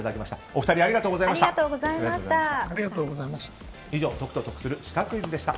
お二人、ありがとうございました。